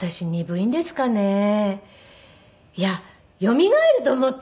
いやよみがえると思っているので。